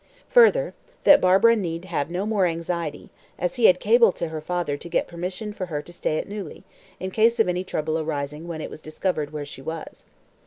Further, that Barbara need have no more anxiety, as he had cabled to her father to get permission for her to stay at Neuilly, in case of any trouble arising when it was discovered where she was.